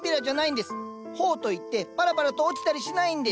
苞といってパラパラと落ちたりしないんです。